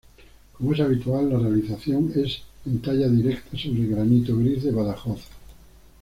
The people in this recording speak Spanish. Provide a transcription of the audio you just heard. Como es habitual, la realización es en talla directa sobre granito gris de Badajoz.